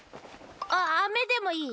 ああめでもいい？